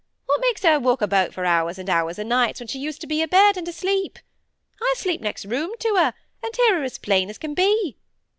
What makes her walk about for hours and hours o' nights when she used to be abed and asleep? I sleep next room to her, and hear her plain as can be.